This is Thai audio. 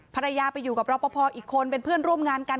ภรรยาไปอยู่กับรอปภอีกคนเป็นเพื่อนร่วมงานกัน